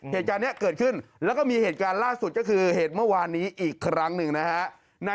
เหตุการณ์นี้เกิดขึ้นแล้วก็มีเหตุการณ์ล่าสุดก็คือเหตุเมื่อวานนี้อีกครั้งหนึ่งนะฮะ